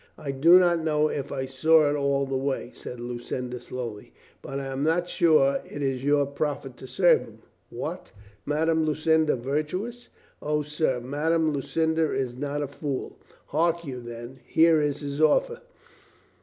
"I do not know if I saw it all the way," said Lu cinda slowly. "But I am not sure it is your profit to serve him." "What! Madame Lucinda virtuous?" "O, sir, Madame Lucinda is not a fool. Hark you, then, here is his offer.